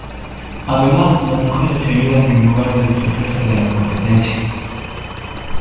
Además, las mujeres se ayudaban en lugar de deshacerse de la competencia.